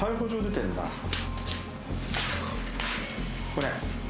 これ。